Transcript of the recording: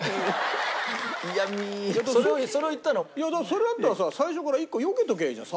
それだったらさ最初から１個よけとけきゃいいじゃん。